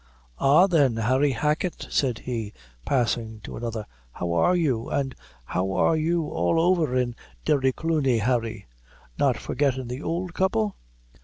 "Ah, then, Harry Hacket," said he, passing to another, "how are you? an' how are you all over in Derrycloony, Harry? not forgettin' the ould couple?"